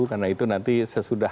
karena itu nanti sesudah